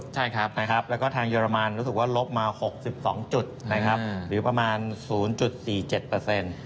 ใช่ครับนะครับแล้วก็ทางเยอรมันรู้สึกว่าลบมา๖๒จุดนะครับหรือประมาณ๐๔๗เปอร์เซ็นต์